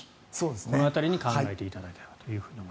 この辺りに考えていただければと。